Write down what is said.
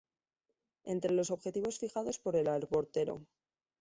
Entre los objetivos fijados por el arboreto;